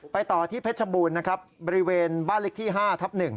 ต่อที่เพชรบูรณ์นะครับบริเวณบ้านเล็กที่๕ทับ๑